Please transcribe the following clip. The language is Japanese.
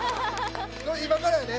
今からやね。